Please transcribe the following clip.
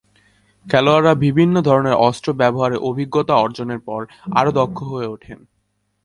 খেলোয়াড়রা বিভিন্ন ধরনের অস্ত্র ব্যবহারে অভিজ্ঞতা অর্জনের পর আরও দক্ষ হয়ে ওঠে।